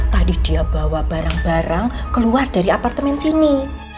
tadi dia bawa barang barang keluar dari apartemen sini